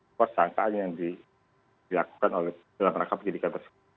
untuk sangkaan yang dilakukan oleh mereka penyidikan